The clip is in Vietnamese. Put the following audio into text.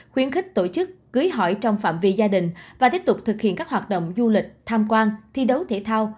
khuyến khích tổ chức cưới hỏi trong phạm vi gia đình và tiếp tục thực hiện các hoạt động du lịch tham quan thi đấu thể thao